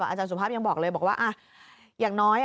อาจารย์สุภาพยังบอกเลยบอกว่าอย่างน้อย